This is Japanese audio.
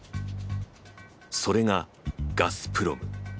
それが「ガスプロム」。